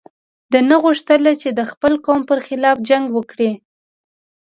ده نه غوښتل چې د خپل قوم پر خلاف جنګ وکړي.